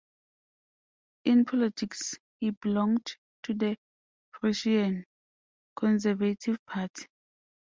In politics, he belonged to the Prussian Conservative party.